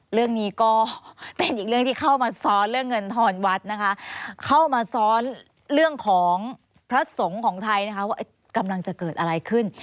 เรื่องนี้ก็เป็นอีกเรื่องที่เข้ามาซ้อนเรื่องเงินทอนวัดนะคะเข้ามาซ้อนเรื่องของพระสงฆ์ของไทยนะคะว่ากำลังจะเกิดอะไรขึ้น